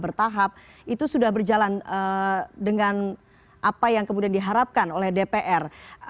bertahap itu sudah berjalan dengan apa yang kemudian diharapkan oleh dpr